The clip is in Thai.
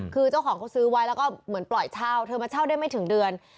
คือเจ้าของเขาซื้อไว้แล้วก็เหมือนปล่อยเช่าเธอมาเช่าได้ไม่ถึงเดือน